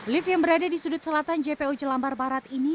lift yang berada di sudut selatan jpo jelambar barat ini